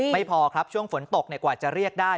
ไม่พอครับช่วงฝนตกกว่าจะเรียกได้